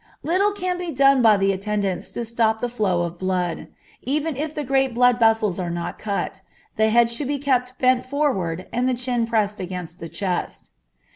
Little can be done by the attendants to stop the flow of blood, even if the great blood vessels are not cut. The head should be kept bent forward and the chin pressed against the chest.